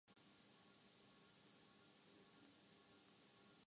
لیکن ٹانکا لگانا کوئی ان سے سیکھے۔